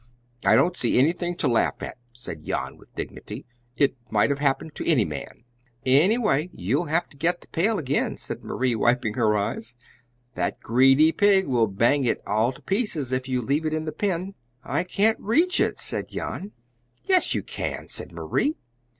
"I don't see anything to laugh at," said Jan with dignity; "it might have happened to any man." "Anyway, you'll have to get the pail again," said Marie, wiping her eyes. "That greedy pig will bang it all to pieces, if you leave it in the pen." "I can't reach it," said Jan. "Yes, you can," said Marie.